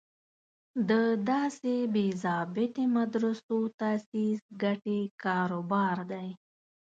د داسې بې ضابطې مدرسو تاسیس ګټې کار و بار دی.